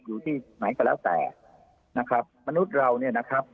อยู่ที่ไหนก็แล้วแต่นะครับมนุษย์เราเนี่ยนะครับ